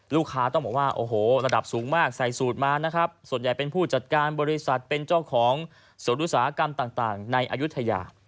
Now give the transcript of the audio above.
ลูกค้าต้องบอกว่าโอ้โหระดับสูงมากใส่สูตรมานะครับส่วนใหญ่เป็นผู้จัดการบริษัทเป็นเจ้าของสวนอุตสาหกรรมต่างในอายุทยา